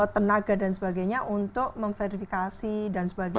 tenaga dan sebagainya untuk memverifikasi dan sebagainya